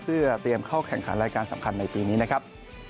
เพื่อเตรียมเข้าแข่งขันรายการสำคัญในปีนี้นะครับ